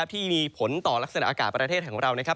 ที่มีผลต่อลักษณะอากาศประเทศของเรานะครับ